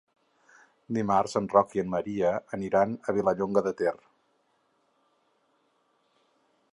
Dimarts en Roc i en Maria aniran a Vilallonga de Ter.